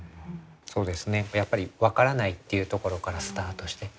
そうですねやっぱり分からないっていうところからスタートして。